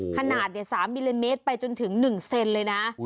ขนาดเนี่ย๓มิลลิเมตรไปจนถึง๑เซนติเมตรเลยนะ